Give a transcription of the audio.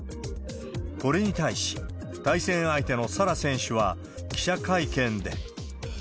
これに対し、対戦相手のサラ選手は、記者会見で。